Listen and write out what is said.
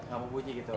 gak mau bunyi gitu